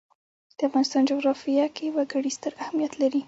د افغانستان جغرافیه کې وګړي ستر اهمیت لري.